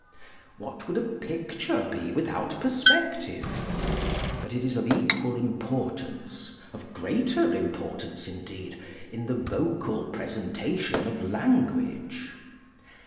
What would a picture be without perspective? But it is of equal importance, of greater importance, indeed, in the vocal presentation of language.